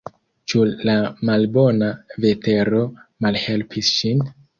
Ĉu la malbona vetero malhelpis ŝin?